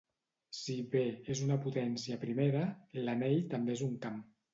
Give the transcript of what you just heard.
Si "b" és una potència primera, l'anell també és un camp.